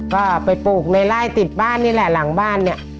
ก็ไปปลูกในไล่ติดบ้านนี่แหละหลังบ้านเนี่ย